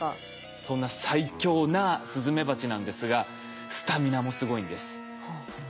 そんな最強なスズメバチなんですがスタミナもすごいんです。